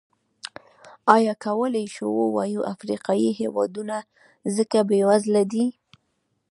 ایا کولای شو ووایو افریقايي هېوادونه ځکه بېوزله دي.